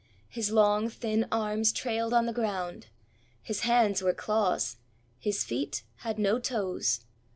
His long, thin arms trailed on the ground. His hands were claws; his feet had no toes.